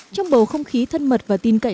trong bầu không khí thân mật và tin cậy